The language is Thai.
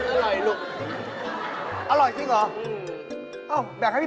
คุณยายเคี้ยอะไรในปากเขานี่